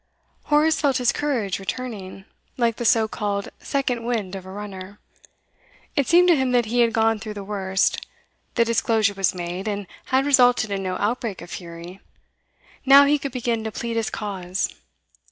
Horace felt his courage returning, like the so called 'second wind' of a runner. It seemed to him that he had gone through the worst. The disclosure was made, and had resulted in no outbreak of fury; now he could begin to plead his cause.